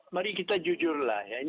mari kita jujurlah